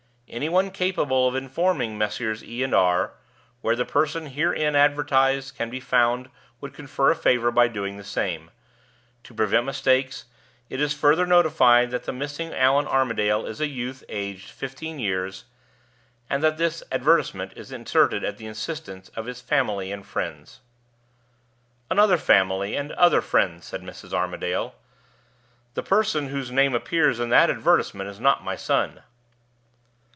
Any one capable of informing Messrs. H. and R. where the person herein advertised can be found would confer a favor by doing the same. To prevent mistakes, it is further notified that the missing Allan Armadale is a youth aged fifteen years, and that this advertisement is inserted at the instance of his family and friends. "Another family, and other friends," said Mrs. Armadale. "The person whose name appears in that advertisement is not my son."